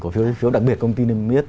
cổ phiếu phiếu đặc biệt công ty nên biết